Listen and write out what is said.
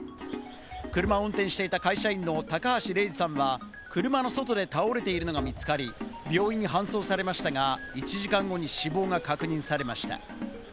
車を運転していた会社員の高橋怜二さんは、車の外で倒れているのが見つかり病院に搬送されましたが、１時間後に死亡が確認されました。